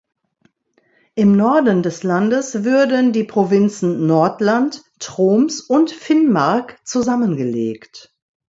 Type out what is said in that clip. Im Norden des Landes würden die Provinzen Nordland, Troms und Finnmark zusammengelegt.